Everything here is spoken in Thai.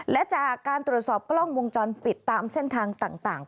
และจากการตรวจสอบกล้องวงจรปิดตามเส้นทางต่าง